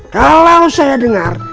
kalau saya dengar